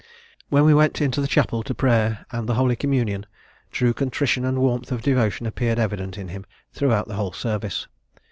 "When we went into the chapel to prayer and the holy communion, true contrition and warmth of devotion appeared evident in him throughout the whole service.